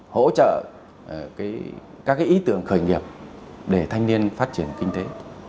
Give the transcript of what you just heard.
hỗ trợ các ý tưởng khởi nghiệp để thanh niên phát triển kinh tế